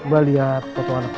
mbak liat foto anak ini